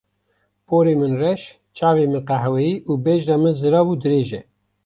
Porê min reş, çavên min qehweyî û bejna min zirav û dirêj e.